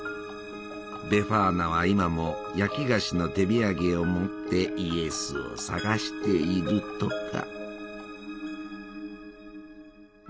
ベファーナは今も焼き菓子の手土産を持ってイエスを捜しているとか。